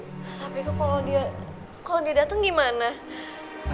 tapi kalau dia datang gimana